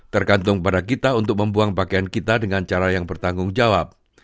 tergantung kepada kita untuk membuang pakaian kita dengan cara yang bertanggung jawab